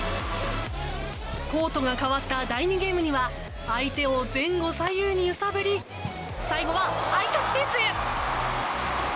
コートが変わった第２ゲームには相手を前後左右に揺さぶり最後は空いたスペースへ！